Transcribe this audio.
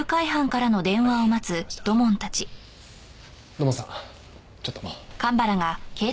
土門さんちょっと。